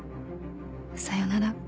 さよなら。